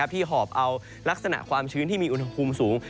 หอบเอาลักษณะความชื้นที่มีอุณหภูมิสูง